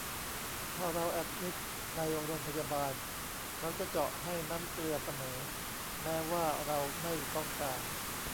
ถ้าเราแอดมิทในโรงพยาบาล เขาจะเจาะให้น้ำเกลือเสมอ แม้ว่าเราไม่ต้องการ